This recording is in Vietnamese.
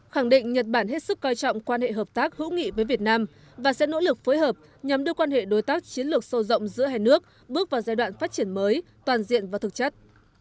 khẳng định nhật bản hết sức coi trọng quan hệ hợp tác hữu nghị với việt nam và sẽ nỗ lực phối hợp nhằm đưa quan hệ đối tác chiến lược sâu rộng giữa hai nước bước vào giai đoạn phát triển mới toàn diện và thực chất